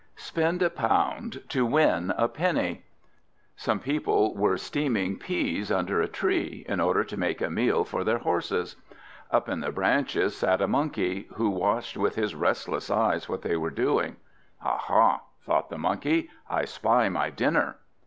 SPEND A POUND TO WIN A PENNY Some people were steaming peas under a tree, in order to make a meal for their horses. Up in the branches sat a Monkey, who watched with his restless eyes what they were doing. "Aha!" thought the Monkey. "I spy my dinner!"